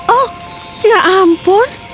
oh ya ampun